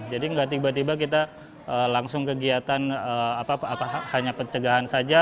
jadi nggak tiba tiba kita langsung kegiatan apa apa hanya pencegahan saja